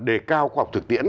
đề cao khoa học thực tiễn